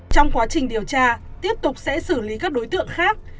trong quá trình điều tra tiếp tục sẽ xử lý các đối tượng khác